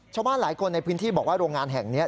ชาวบ้านหลายคนในพื้นที่บอกว่าโรงงานแห่งนี้